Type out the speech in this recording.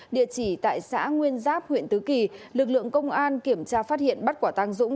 địa chỉ tại xã nguyên giáp huyện tứ kỳ lực lượng công an kiểm tra phát hiện bắt quả tăng dũng